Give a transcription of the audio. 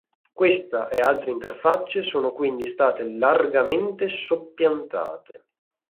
Questa e altre interfacce sono quindi state largamente soppiantate.